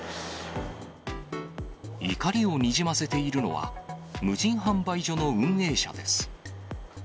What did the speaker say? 怒りをにじませているのは、無人販売所の運営者です。